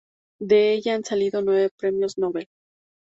De ella han salido nueve premios Nobel.